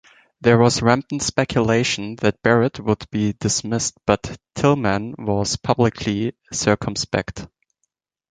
There was rampant speculation that Barrett would be dismissed, but Tillman was publicly circumspect.